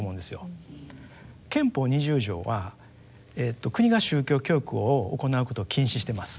憲法二十条は国が宗教教育を行うことを禁止してます。